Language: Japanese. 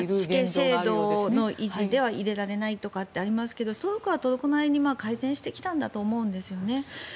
死刑制度の維持では入れられないとかありますがトルコはトルコなりに改善してきたと思うんですね。